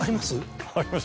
あります？